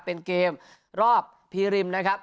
เป็นเกมรอบพีริมนะครับ